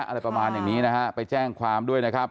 อะไรกว่านี้นะฮะไปแจ้งความด้วยนะครับ